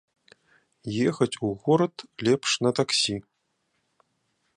Ехаць у горад лепш на таксі.